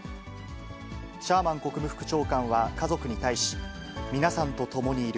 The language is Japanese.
シャーマン国務副長官は家族に対し、皆さんと共にいる。